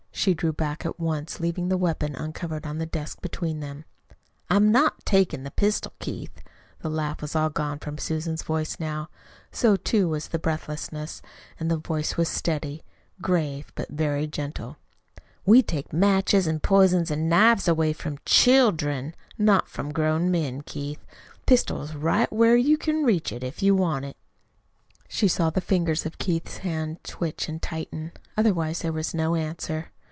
She drew back at once, leaving the weapon uncovered on the desk between them. "I'm not takin' the pistol, Keith." The laugh was all gone from Susan's voice now. So, too, was the breathlessness. The voice was steady, grave, but very gentle. "We take matches an' pizen an' knives away from CHILDREN not from grown men, Keith. The pistol is right where you can reach it if you want it." [Illustration: KEITH'S ARM SHOT OUT AND HIS HAND FELL, COVERING HERS] She saw the fingers of Keith's hand twitch and tighten. Otherwise there was no answer.